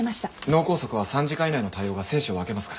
脳梗塞は３時間以内の対応が生死を分けますから。